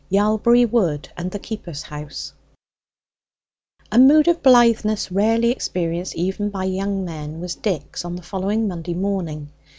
YALBURY WOOD AND THE KEEPER'S HOUSE A mood of blitheness rarely experienced even by young men was Dick's on the following Monday morning.